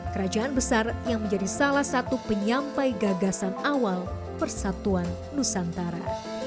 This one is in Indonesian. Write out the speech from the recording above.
kerajaan besar yang menjadi salah satu penyampai gagasan awal persatuan nusantara